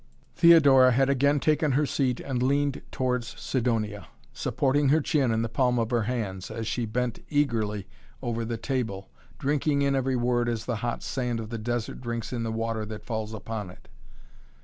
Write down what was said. Theodora had again taken her seat and leaned towards Sidonia, supporting her chin in the palm of her hands, as she bent eagerly over the table, drinking in every word as the hot sand of the desert drinks in the water that falls upon it.